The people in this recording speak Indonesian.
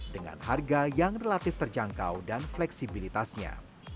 dengan harga yang relatif terjangkau dan fleksibilitasnya